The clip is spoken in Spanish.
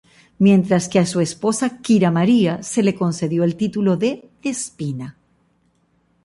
Mientras que a su esposa Kira María se le concedió el título de "despina".